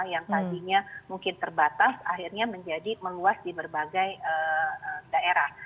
yang tadinya mungkin terbatas akhirnya menjadi meluas di berbagai daerah